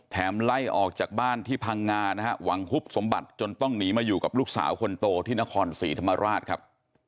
ไล่ออกจากบ้านที่พังงานะฮะหวังฮุบสมบัติจนต้องหนีมาอยู่กับลูกสาวคนโตที่นครศรีธรรมราชครับ